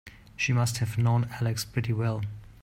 She must have known Alex pretty well.